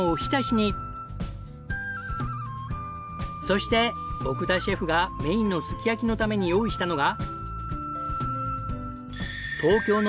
そして奥田シェフがメインのすき焼きのために用意したのが。